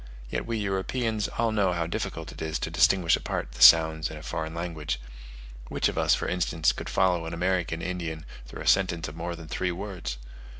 Yet we Europeans all know how difficult it is to distinguish apart the sounds in a foreign language. Which of us, for instance, could follow an American Indian through a sentence of more than three words?